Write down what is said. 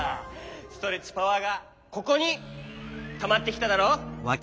ストレッチパワーがここにたまってきただろ。